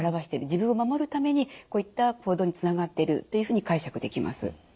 自分を守るためにこういった行動につながってるというふうに解釈できます。